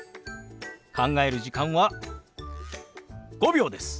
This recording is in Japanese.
考える時間は５秒です。